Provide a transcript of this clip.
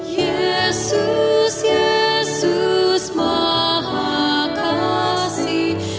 yesus yesus maha ketua